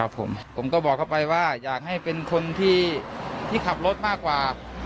ผมก็บอกเขาไปว่าอยากให้เป็นคนที่ขับรถมากกว่า